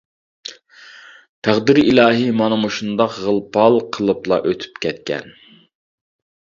تەقدىر ئىلاھى مانا مۇشۇنداق غىل-پال قىلىپلا ئۆتۈپ كەتكەن.